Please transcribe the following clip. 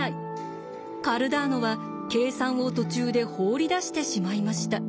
カルダーノは計算を途中で放り出してしまいました。